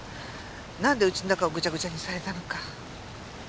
なんでうちの中をグチャグチャにされたのか。